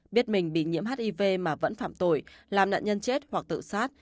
biết mình bị nhiễm hiv mà vẫn phạm tội làm nạn nhân chết hoặc tự sát